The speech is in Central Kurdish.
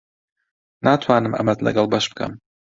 ناتوانم ئەمەت لەگەڵ بەش بکەم.